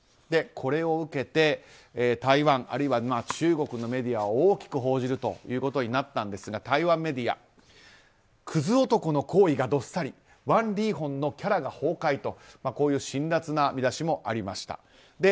これを受けて台湾、あるいは中国のメディアは大きく報じるということになったんですが台湾メディアクズ男の行為がどっさりワン・リーホンのキャラが崩壊とこういう辛辣な見出しもありました。